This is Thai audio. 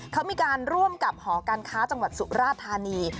เขามีการร่วมกับหอการค้าจังหวัดสุราธานี